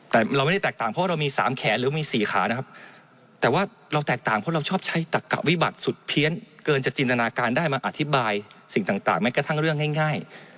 แต่เราไม่ได้แตกต่างเพราะเรามี๓แขนหรือมี๔ขานะครับแต่ว่าเราแตกต่างเพราะเราชอบใช้ตักกะวิบัติสุดเพี้ยนเกินจะจินตนาการได้มาอธิบายสิ่งต่างแม้กระทั่งเรื่องง่าย